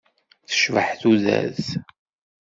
Tecbeḥ tudert.